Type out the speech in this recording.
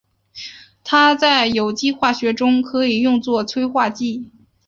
它在有机化学中可以用作催化剂。